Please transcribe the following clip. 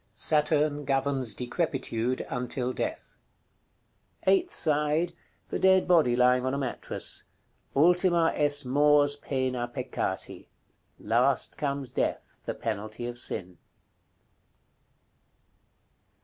Saturn governs decrepitude until death. Eighth side. The dead body lying on a mattress. "ULTIMA EST MORS PENA PECCATI." Last comes death, the penalty of sin.